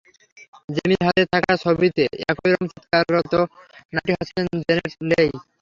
জেমির হাতে থাকা ছবিতে একই রকম চিৎকাররত নারীটিই হচ্ছেন জেনেট লেই।